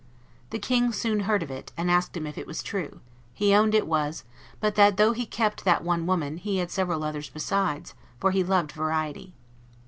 The King soon heard of it, and asked him if it was true; he owned it was; but that, though he kept that one woman, he had several others besides, for he loved variety.